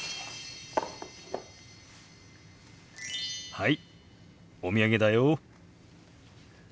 はいお土産だよ！